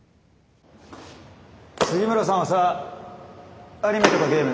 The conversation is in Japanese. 杉村さんはさアニメとかゲーム好き？